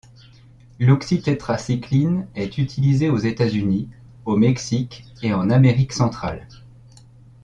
L'oxytétracycline est utilisée aux États-Unis, au Mexique et en Amérique centrale.